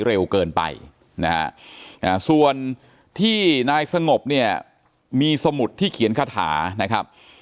เร็วเกินไปนะฮะส่วนที่นายสงบเนี่ยมีสมุดที่เขียนคาถานะครับ